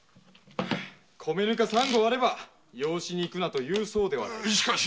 「米糠三合あれば養子に行くな」と言うそうではないか。